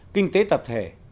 kinh tế tập thể